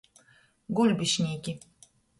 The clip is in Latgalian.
Guļbišnīki.